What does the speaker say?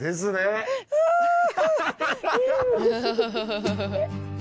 ハハハハ！